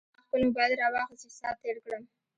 ما خپل موبایل راواخیست چې ساعت تېر کړم.